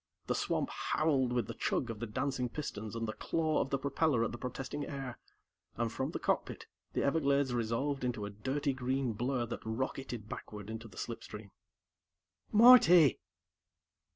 The swamp howled with the chug of the dancing pistons and the claw of the propeller at the protesting air, and, from the cockpit, the Everglades resolved into a dirty green blur that rocketed backward into the slipstream. "Marty!"